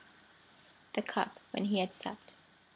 The cup, when he had supped.